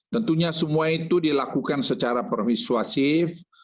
tentunya semua itu dilakukan secara persuasif